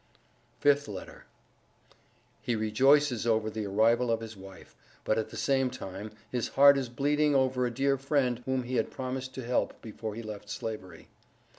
FIFTH LETTER. He rejoices over the arrival of his wife but at the same time, his heart is bleeding over a dear friend whom he had promised to help before he left Slavery.